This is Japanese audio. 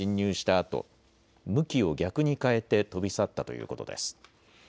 あと向きを逆に変えて飛び去ったということです。